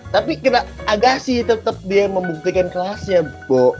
tapi agak sih tetep dia yang membuktikan kelasnya boh